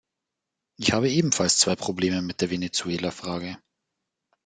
Ich habe ebenfalls zwei Probleme mit der Venezuela-Frage.